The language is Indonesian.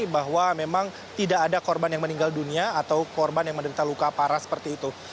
bahwa memang tidak ada korban yang meninggal dunia atau korban yang menderita luka parah seperti itu